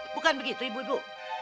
bukan begitu ibu ibu